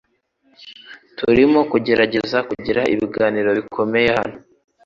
Turimo kugerageza kugira ibiganiro bikomeye hano